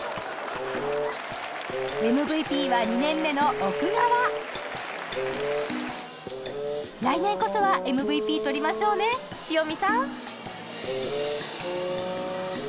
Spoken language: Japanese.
・ＭＶＰは２年目の来年こそはＭＶＰ取りましょうね塩見さん